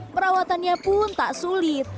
perawatannya pun tak sulit